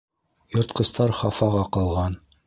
Йыртҡыстар хафаға ҡалған.